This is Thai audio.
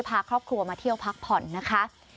พาครอบครัวมาเที่ยวพักผ่อนนะคะ